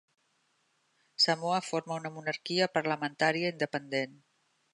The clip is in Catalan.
Samoa forma una monarquia parlamentària independent.